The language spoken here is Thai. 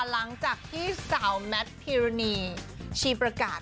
หลังจากที่สาวแมทพิรณีชีประกาศ